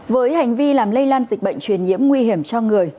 với hành vi làm lây lan dịch bệnh truyền nhiễm nguy hiểm cho người